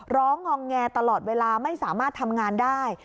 งองแงตลอดเวลาไม่สามารถทำงานได้